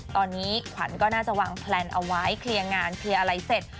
ตอนนี้ขวัญก็น่าจะวางแพลนเอาไว้เคลียร์งานเคลียร์อะไรเสร็จ